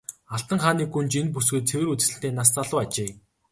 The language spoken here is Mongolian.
Алтан хааны гүнж энэ бүсгүй цэвэр үзэсгэлэнтэй нас залуу ажээ.